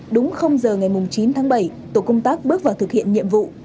đúng giờ ngày chín tháng bảy tổ công tác bước vào thực hiện nhiệm vụ